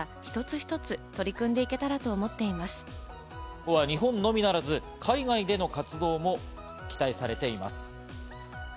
今後は日本のみならず、海外での活動も期待されています。